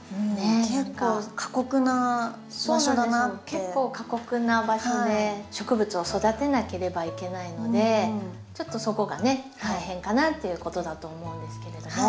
結構過酷な場所で植物を育てなければいけないのでちょっとそこがね大変かなっていうことだと思うんですけれども。